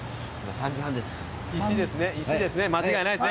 ３時半です。